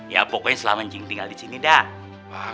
ya pokoknya selama anjing tinggal di sini dah